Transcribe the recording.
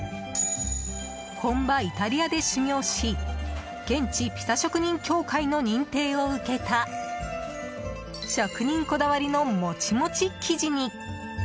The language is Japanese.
本場イタリアで修業し現地ピザ職人協会の認定を受けた職人こだわりのモチモチ生地に。